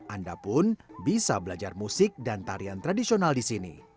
anda pun bisa belajar musik dan tarian tradisional di sini